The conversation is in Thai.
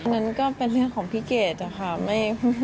นั่นก็เป็นเรื่องของพี่เกดอะค่ะ